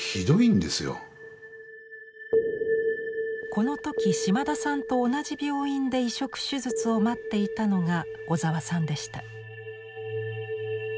この時島田さんと同じ病院で移植手術を待っていたのが小沢さんでした。